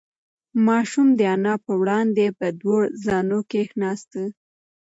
ماشوم د انا په وړاندې په دوه زانو کښېناست.